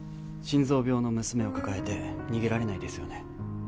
心臓病の娘を抱えて逃げられないですよね